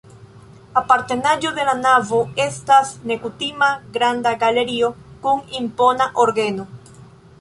Apartenaĵo de la navo estas nekutima granda galerio kun impona orgeno.